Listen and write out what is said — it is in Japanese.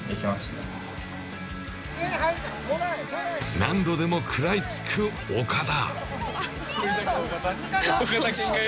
何度でも食らいつく岡田。